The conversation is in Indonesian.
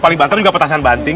paling banten juga petasan banting